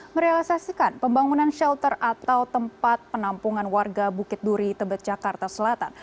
merealisasikan pembangunan shelter atau tempat penampungan warga bukit duri tebet jakarta selatan